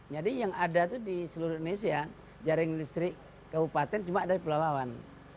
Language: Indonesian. jadi yang ada itu di seluruh indonesia jaring listrik kabupaten cuma ada di pulau lawan